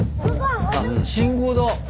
あ信号だ。